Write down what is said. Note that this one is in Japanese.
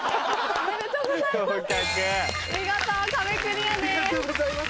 ありがとうございます。